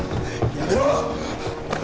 やめろ。